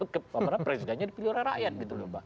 karena presidennya dipilih oleh rakyat gitu